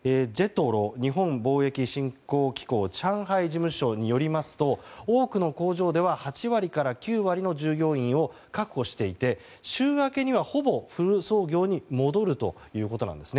・日本貿易振興機構上海事務所によりますと多くの工場では８割から９割の従業員を確保していて週明けにはほぼフル操業に戻るということなんです。